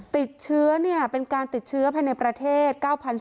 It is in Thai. ติดเชื้อเป็นการติดเชื้อภายในประเทศ๙๔๐